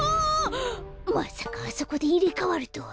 まさかあそこでいれかわるとは。